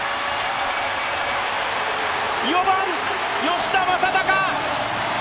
４番・吉田正尚！